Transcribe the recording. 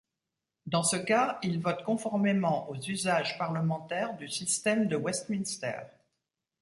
Dans ce cas, il vote conformément aux usages parlementaires du système de Westminster.